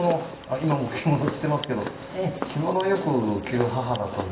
今も着物を着てますけど着物をよく着る母だったんですよ。